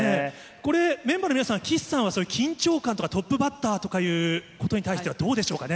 これ、メンバーの皆さん、岸さんは緊張感とか、トップバッターとかいうことに対してはどうでしょうかね？